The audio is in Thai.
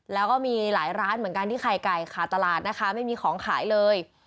แล้วก็มีหลายร้านเหมือนกันที่ไข่ไก่ขาดตลาดนะคะไม่มีของขายเลย